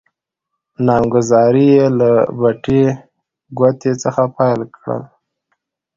نامګذارې يې له بټې ګوتې څخه پیل کړل.